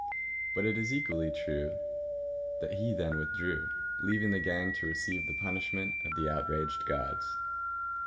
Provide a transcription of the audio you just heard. But it is equally true that he then withdrew, leaving the gang to receive the punishment of the outraged gods.